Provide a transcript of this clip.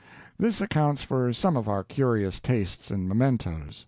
This accounts for some of our curious tastes in mementos.